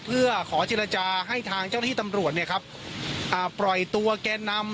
เพื่อขอเจรจาให้ทางเจ้าหน้าที่ตำรวจเนี่ยครับอ่าปล่อยตัวแกนำ